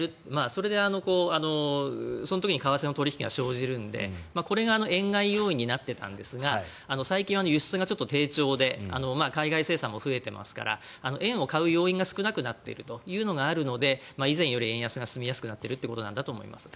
それでその時に為替の取引が生じるのでこれが円買い要因になっていたんですが最近は輸出がちょっと低調で海外生産も増えていますから円を買う要因が少なくなっているというのがあるので以前より円安が進みやすくなっているということなんだと思います。